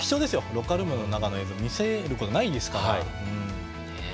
ロッカールームの映像を見せることないですから。